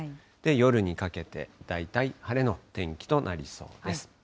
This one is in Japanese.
夜にかけて、大体晴れの天気となりそうです。